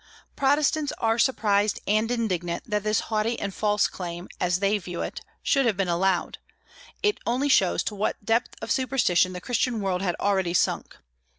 Protestants are surprised and indignant that this haughty and false claim (as they view it) should have been allowed; it only shows to what depth of superstition the Christian world had already sunk.